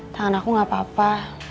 tangan aku gak apa apa